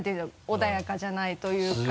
穏やかじゃないというか。